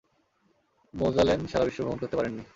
Magellan সারাবিশ্ব ভ্রমণ করতে পারেনি।